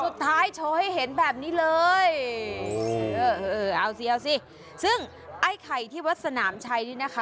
โชว์ให้เห็นแบบนี้เลยเออเออเอาสิเอาสิซึ่งไอ้ไข่ที่วัดสนามชัยนี่นะคะ